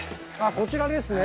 こちらですね